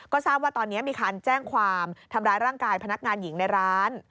ก็ทราบว่าตอนนี้มีการแจ้งความทำร้ายร่างกายพนักงานหญิงในร้าน